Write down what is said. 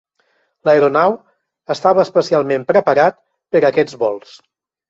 L'aeronau estava especialment preparat per a aquests vols.